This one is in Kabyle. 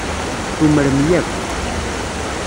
Tumrem yakk